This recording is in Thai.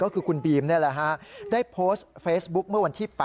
ก็คือคุณบีมนี่แหละฮะได้โพสต์เฟซบุ๊คเมื่อวันที่๘